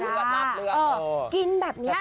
ราบเลือดราบเลือด